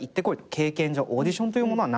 経験上オーディションというものは何ぞや。